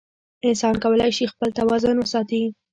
انسان کولی شي خپل توازن وساتي.